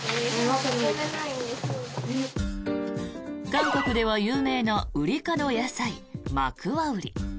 韓国では有名なウリ科の野菜マクワウリ。